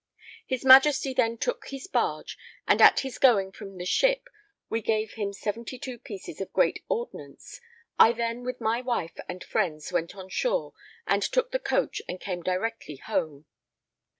His Majesty then took his barge, and at his going from the ship we gave him 72 pieces of great ordnance. I then with my wife and friends went on shore and took the coach and came directly home.